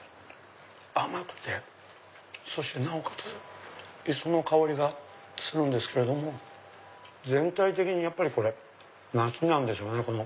甘くてそしてなおかつ磯の香りがするんですけど全体的にやっぱり梨なんでしょうね。